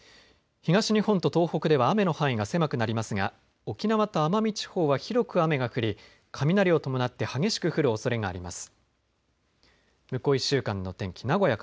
東日本と東北では雨の範囲が狭くなりますが沖縄と奄美地方は広く雨が降り雷を伴って激しく降るおそれがあります。